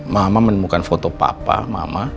mama menemukan foto papa mama